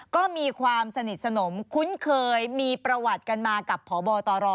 ก็มีความสนิทสนมคุ้นเคยมีประวัติกันมากับพบตร